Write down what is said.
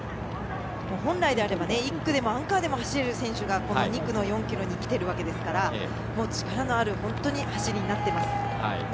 本来であれば１区でもアンカーでも走れる選手が２区の４ｋｍにきてるわけですから力のある走りになっています。